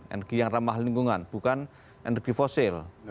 energi yang ramah lingkungan bukan energi fosil